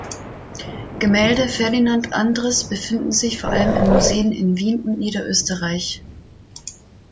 Gemälde Ferdinand Andris befinden sich vor allem in Museen in Wien und Niederösterreich.